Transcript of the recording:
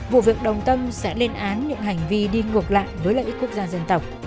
vụ việc đồng tâm sẽ lên án những hành vi đi ngược lại với lợi ích quốc gia dân tộc